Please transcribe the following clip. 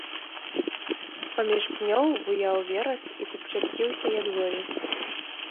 Паміж пнёў буяў верас і купчасціўся ядловец.